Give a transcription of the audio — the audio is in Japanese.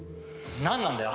何なんだよ！